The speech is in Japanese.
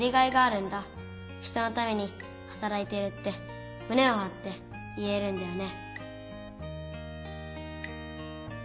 人のためにはたらいてるってむねをはって言えるんだよね。